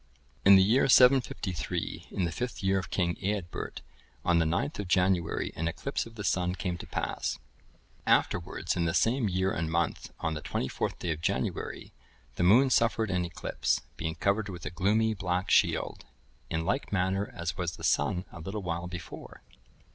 (1073) In the year 753, in the fifth year of King Eadbert, on the 9th of January,(1074) an eclipse of the sun came to pass; afterwards, in the same year and month, on the 24th day of January, the moon suffered an eclipse, being covered with a gloomy, black shield, in like manner as was the sun a little while before.